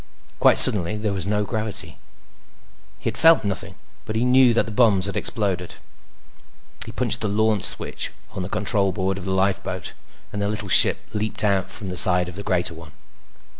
Quite suddenly, there was no gravity. He had felt nothing, but he knew that the bombs had exploded. He punched the LAUNCH switch on the control board of the lifeboat, and the little ship leaped out from the side of the greater one.